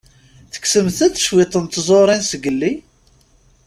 Tekksemt-d cwiṭ n tẓuṛin zgelli?